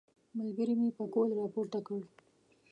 ملګري مې پکول راپورته کړ.